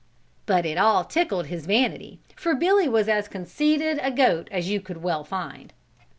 But it all tickled his vanity for Billy was as conceited a goat as you could well find.